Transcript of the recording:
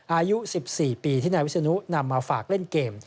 อายุ๑๔ปีที่นายวิศนุนำมาฝากเล่นเกม